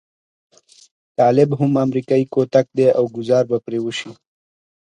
طالب هم امريکايي کوتک دی او ګوزار به پرې وشي.